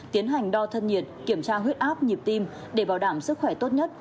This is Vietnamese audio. tiến hành đo thân nhiệt kiểm tra huyết áp nhịp tim để bảo đảm sức khỏe tốt nhất